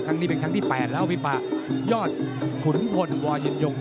ครั้งนี้เป็นครั้งที่๘แล้วพี่ป่ายอดขุนพลวอยินยง